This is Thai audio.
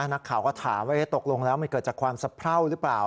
นักข่าวก็ถามว่าตกลงแล้วมันเกิดจากความสะเพราหรือเปล่า